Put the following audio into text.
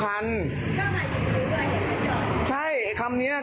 ร้านนี่คือร้านนะละยดง